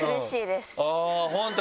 本当？